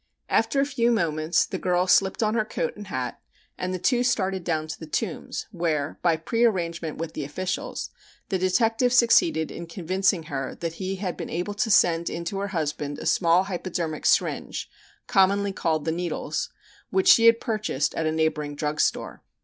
After a few moments the girl slipped on her coat and hat and the two started down to the Tombs, where, by prearrangement with the officials, the detective succeeded in convincing her that he had been able to send in to her husband a small hypodermic syringe (commonly called "the needles") which she had purchased at a neighboring drug store.